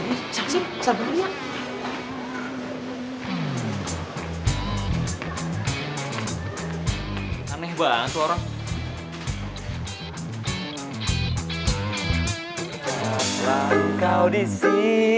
eh saksikan sabar sabar ya